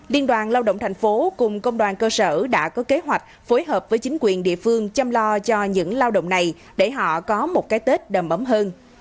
liên đoàn lao động thành phố cùng công đoàn cơ sở đã có kế hoạch phối hợp với chính quyền địa phương chăm lo cho những lao động này để họ có một cái tết đầm ấm hơn